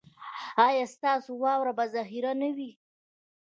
ایا ستاسو واوره به ذخیره نه وي؟